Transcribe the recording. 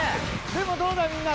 でもどうだみんな。